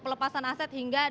pelepasan aset hingga dijual